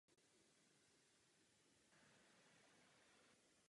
Tvůrci se částečně inspirovali televizním seriálem Alfred Hitchcock uvádí.